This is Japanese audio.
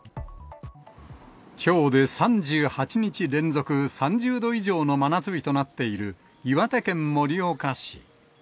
きょうで３８日連続３０度以上の真夏日となっている、岩手県盛岡市。